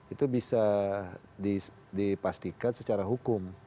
itu bisa dipastikan secara hukum